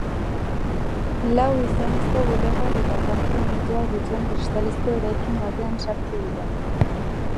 Lau gizonezko bulegoak eta apartamentuak dituen kristalezko eraikin batean sartu dira.